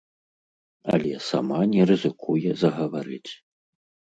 Але сама не рызыкуе загаварыць.